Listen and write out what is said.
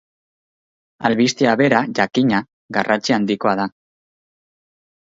Albistea bera, jakina, garrantzi handikoa da.